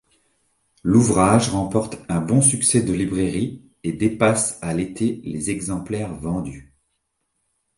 L'ouvrage remporte un bon succès de librairie et dépasse à l'été les exemplaires vendus.